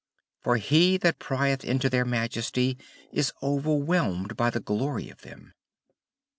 for he that prieth into their majesty, is overwhelmed by the glory of them.